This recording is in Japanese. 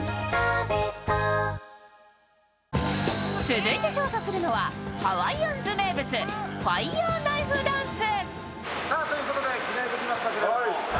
続いて調査するのはハワイアンズ名物、ファイヤーナイフダンス。